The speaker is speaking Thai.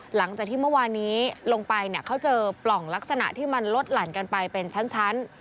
หลังจากที่เมื่อวานี้ลงไปเนี่ยเขาเจอปล่องลักษณะที่มันลดหลั่นกันไปเป็นชั้น